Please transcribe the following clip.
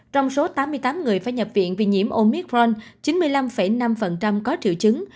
trong số tám mươi tám người phải nhập viện vì nhiễm omithron chín mươi năm năm có triệu chứng